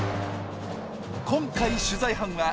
今回取材班は絶景